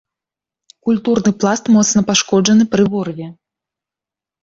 Культурны пласт моцна пашкоджаны пры ворыве.